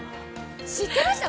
知ってました？